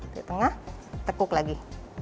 di tengah tekuk lagi